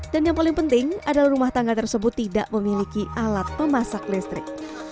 dan yang paling penting adalah rumah tangga tersebut tidak memiliki alat memasak listrik